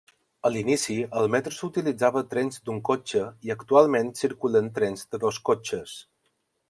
A l'inici, al metro s'utilitzava trens d'un cotxe i actualment circulen trens de dos cotxes.